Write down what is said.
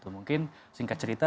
mungkin singkat cerita